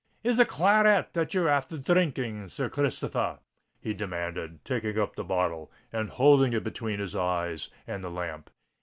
"Is it claret that you're after dhrinking, Sir r Christopher?" he demanded, taking up the bottle and holding it between his eyes and the lamp.